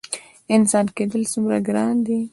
انسان کیدل څومره ګران دي؟